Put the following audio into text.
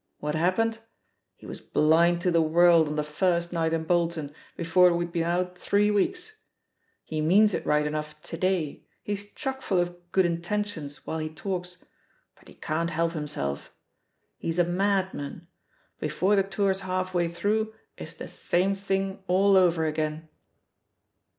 What happened? He was blind to the world on the first night in Bolton, before we'd been out three weeks I He means it right enough to day; he's chock full of good intentions while he talks, but he can't help himself; he's a madman — before the tour's half way through it's the same thing all over again."